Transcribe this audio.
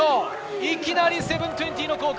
いきなり７２０コーク。